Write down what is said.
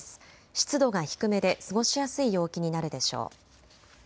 湿度が低めで過ごしやすい陽気になるでしょう。